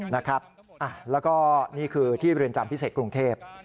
แล้วก็นี่คือที่เรือนจำพิเศษกรุงเทพ